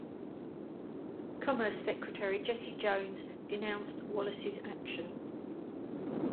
Commerce Secretary Jesse Jones denounced Wallace's action.